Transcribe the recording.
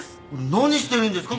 何してるんですか？